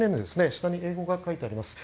下に英語が書いてあります。